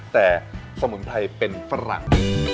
แต่สมุนไพรเป็นฝรั่ง